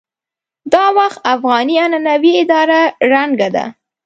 دا وخت افغاني عنعنوي اداره ړنګه ده.